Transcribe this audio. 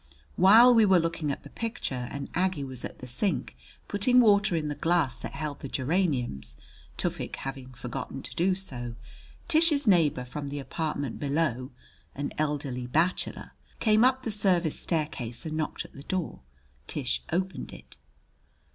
While we were looking at the picture and Aggie was at the sink putting water in the glass that held the geraniums, Tufik having forgotten to do so, Tish's neighbor from the apartment below, an elderly bachelor, came up the service staircase and knocked at the door. Tish opened it.